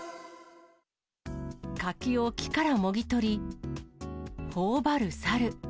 柿を木からもぎ取り、ほおばるサル。